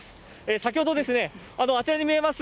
先ほどですね、あちらに見えます